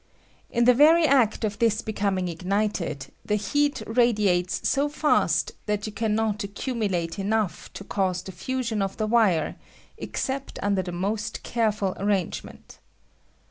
In the very act of this becoming ignited the heat radiates so fast that you can not accumulate enough to cause the fusion of the wire except under the most careful arrangement.